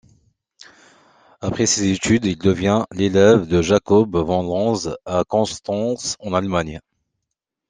Après ses études, il devient l’élève de Jakob von Lenz à Constance, en Allemagne.